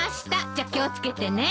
じゃ気を付けてね。